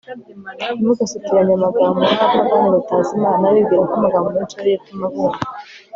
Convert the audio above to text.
ntimugasukiranye amagambo nk'abapagani batazi imana, bibwira ko amagambo menshi ariyo atuma bumvwa